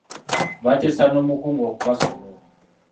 Baateesa n'omukungu okubasonyiwa.